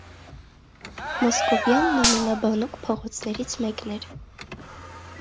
Մոսկովյանն ամենաբանուկ փողոցներից մեկն էր։